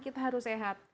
kita harus sehat